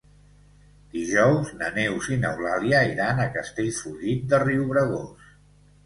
Dijous na Neus i n'Eulàlia iran a Castellfollit de Riubregós.